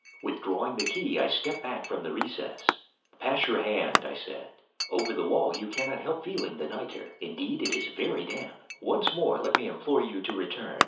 Withdrawing the key I stepped back from the recess. "Pass your hand," I said, "over the wall; you cannot help feeling the nitre. Indeed it is very damp. Once more let me implore you to return.